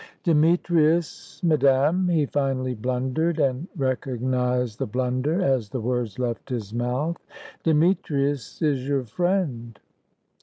"Demetrius, madame," he finally blundered, and recognised the blunder as the words left his mouth "Demetrius is your friend."